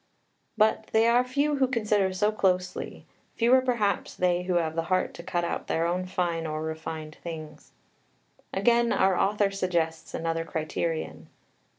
But they are few who consider so closely, fewer perhaps they who have the heart to cut out their own fine or refined things. Again, our author suggests another criterion.